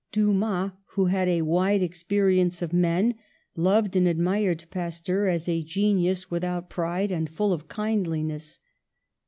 Dumas, who had a wide experience of men, loved and admired Pasteur as a genius without pride and full of kindliness.